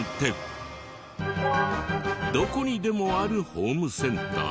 どこにでもあるホームセンター。